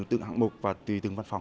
từng hạng mục và từng văn phòng